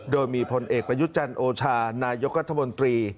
โดยมีพลเอกประยุทธ์จันทร์โอชานายกรัฐมนตรี